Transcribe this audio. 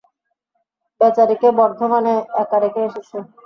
বেচারিকে বর্ধমানে একা রেখে এসেছে।